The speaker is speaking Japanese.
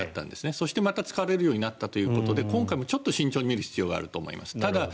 そしてまた使われるようになったということで今回もちょっと慎重に見る必要があると思います。